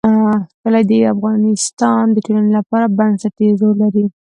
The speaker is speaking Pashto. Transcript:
کلي د افغانستان د ټولنې لپاره بنسټيز رول لري.